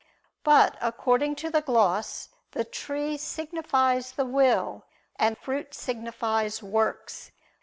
But, according to the gloss, the tree signifies the will, and fruit signifies works.